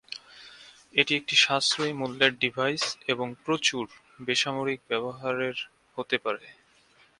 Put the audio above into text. এটি একটি সাশ্রয়ী মূল্যের ডিভাইস এবং "প্রচুর" বেসামরিক ব্যবহারের হতে পারে।